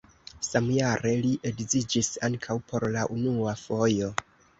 Samjare li edziĝis ankaŭ por la unua fojo.